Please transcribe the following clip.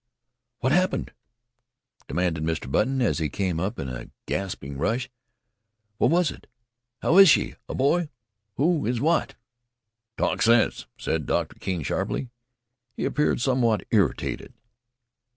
"What happened?" demanded Mr. Button, as he came up in a gasping rush. "What was it? How is she? A boy? Who is it? What " "Talk sense!" said Doctor Keene sharply. He appeared somewhat irritated.